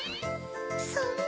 そんな。